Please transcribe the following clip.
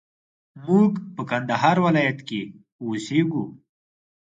موږ په کندهار ولايت کښي اوسېږو